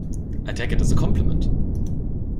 I take it as a compliment.